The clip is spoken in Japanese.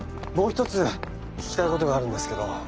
もう一つ聞きたいことがあるんですけど。